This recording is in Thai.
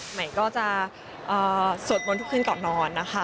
ใหม่ก็จะสวดมนต์ทุกคืนก่อนนอนนะคะ